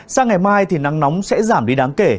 sang ngày mai thì nắng nóng sẽ giảm đi đáng kể